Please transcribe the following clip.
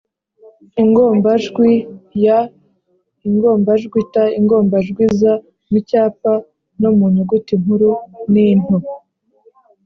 ingombajwi y,ingombajwi t n’ingombajwi z mu cyapa no mu nyuguti nkuru n’into;.